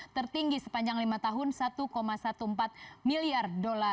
tertinggi sepanjang lima tahun rp satu empat belas miliar